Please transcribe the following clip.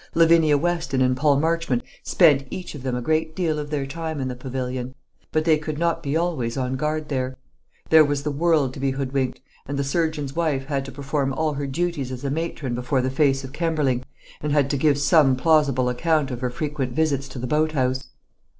Lavinia Weston and Paul Marchmont spent each of them a great deal of their time in the pavilion; but they could not be always on guard there. There was the world to be hoodwinked; and the surgeon's wife had to perform all her duties as a matron before the face of Kemberling, and had to give some plausible account of her frequent visits to the boat house.